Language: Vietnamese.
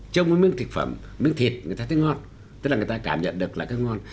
trong một miếng thịt người ta thấy ngon tức là người ta cảm nhận được là nó ngon